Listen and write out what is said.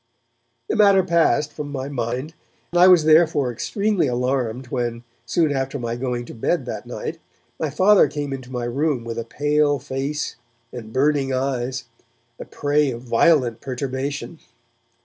The matter passed from my mind, and I was therefore extremely alarmed when, soon after my going to bed that night, my Father came into my room with a pale face and burning eyes, the prey of violent perturbation.